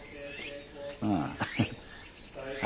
ああ。